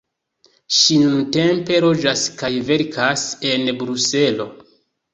Ŝi nuntempe loĝas kaj verkas en Bruselo.